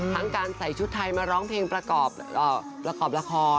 การใส่ชุดไทยมาร้องเพลงประกอบละคร